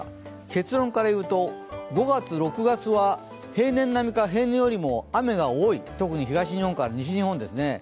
結論から言うと、５月、６月は平年並みから平年よりも雨が多い、特に東日本から西日本ですね。